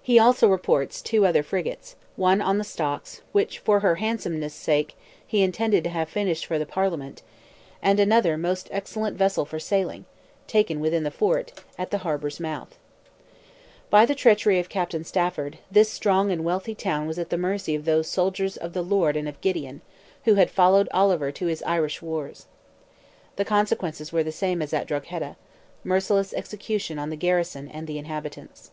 He also reports two other frigates, one on the stocks, which "for her handsomeness' sake" he intended to have finished for the Parliament, and another "most excellent vessel for sailing," taken within the fort, at the harbour's mouth. By the treachery of Captain Stafford, this strong and wealthy town was at the mercy of those "soldiers of the Lord and of Gideon," who had followed Oliver to his Irish wars. The consequences were the same as at Drogheda—merciless execution on the garrison and the inhabitants.